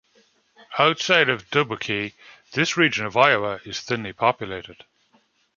Outside of Dubuque, this region of Iowa is thinly populated.